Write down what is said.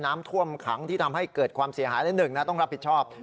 น้ำท่วมขังที่ทำให้เกิดความเสียหายและหนึ่งนะต้องรับผิดชอบ